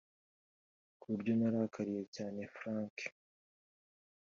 ku buryo narakariye cyane Frank